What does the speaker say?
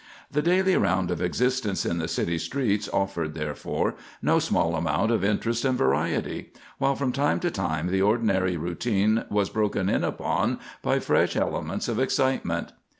The daily round of existence in the city streets offered, therefore, no small amount of interest and variety; while from time to time the ordinary routine was broken in upon by fresh elements of excitement.